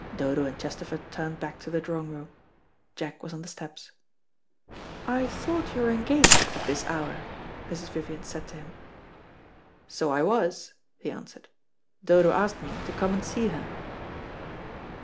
Dodo and Chesterford turned back to the drawing room. Jack was on the steps. "I thought you were engaged at this hour," Mrs. Vivian said to him. "So I was," he answered. "Dodo asked me to come and see her."